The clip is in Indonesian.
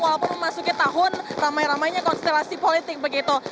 walaupun memasuki tahun ramai ramainya konstelasi politik begitu